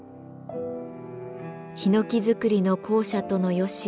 「ひのき造りの校舎との由